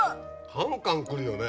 カンカンくるよね。